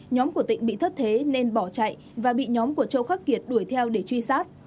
nhóm của tịnh bị thất thế nên bỏ chạy và bị nhóm của châu khắc kiệt đuổi theo để truy sát